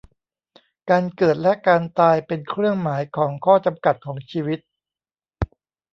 การเกิดและการตายเป็นเครื่องหมายของข้อจำกัดของชีวิต